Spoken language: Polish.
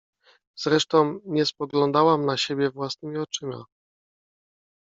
Zresztą nie spoglądałam na siebie własnymi oczyma.